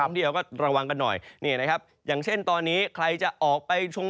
เดียวก็ระวังกันหน่อยนี่นะครับอย่างเช่นตอนนี้ใครจะออกไปชง